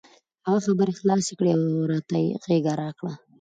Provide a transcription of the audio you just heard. هغه خبرې خلاصې کړې او راته یې غېږه راکړه.